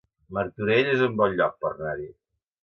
Martorell es un bon lloc per anar-hi